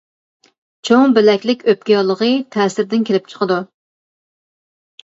چوڭ بۆلەكلىك ئۆپكە ياللۇغى تەسىردىن كېلىپ چىقىدۇ.